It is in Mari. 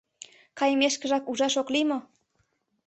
Кайымешкыжак ужаш ок лий мо?